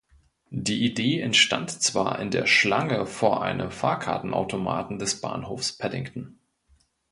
Die Idee entstand zwar in der Schlange vor einem Fahrkartenautomaten des Bahnhofs Paddington.